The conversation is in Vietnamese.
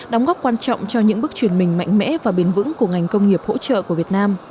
đóng góp quan trọng cho những bước truyền mình mạnh mẽ và bền vững của ngành công nghiệp hỗ trợ của việt nam